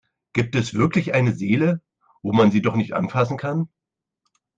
Gibt es wirklich eine Seele, wo man sie doch nicht anfassen kann?